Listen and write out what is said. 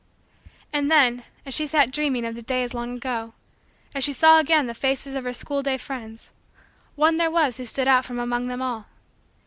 And then, as she sat dreaming of the days long gone as she saw again the faces of her school day friends, one there was that stood out from among them all.